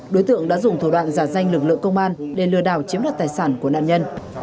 đối tượng đã dùng thủ đoạn giả danh lực lượng công an để lừa đảo chiếm đoạt tài sản của nạn nhân